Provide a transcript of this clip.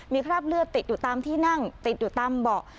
มีคราบเลือดติดอยู่ตามที่นั่งติดอยู่ตามเบาะ